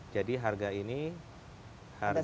jadi harga ini harga